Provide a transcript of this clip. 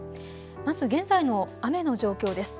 まず現在の雨の状況です。